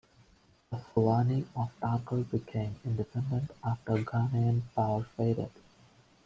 The Fulani of Tarkur became independent after Ghanaian power faded.